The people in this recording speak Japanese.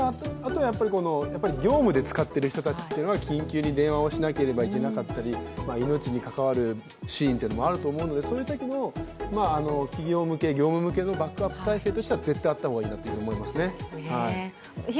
業務で使っている人たちは緊急に電話をしなければいけなかったり、命に関わるシーンもあると思うのでそういうときの企業向け、業務向けのバックアップ体制としては絶対あった方がいいなと思いますね。